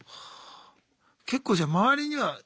結構じゃあ周りにはいますか？